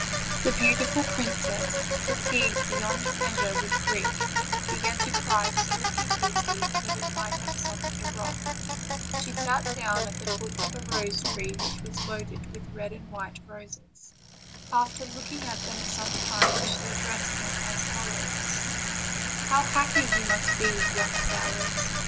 The beautiful princess, fatigued beyond measure with grief, began to cry so piteously that it might have sof tened a rock. She sat down at the foot of a rose tree which was loaded with white and red roses. After look ing at them some time, she addressed them as follows: "How happy you must be, young flowers!